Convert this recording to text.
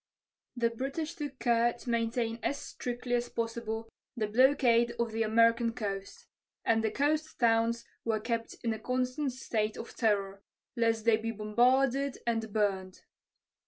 The British took care to maintain as strictly as possible the blockade of the American coast, and the coast towns were kept in a constant state of terror lest they be bombarded and burned.